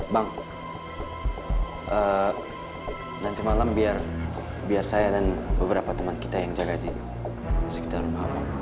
bang nanti malam biar saya dan beberapa teman kita yang jaga di sekitar rumah